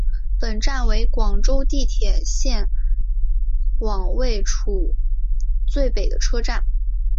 本站为广州地铁线网位处最北的车站。